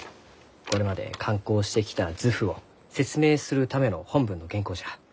これまで刊行してきた図譜を説明するための本文の原稿じゃ。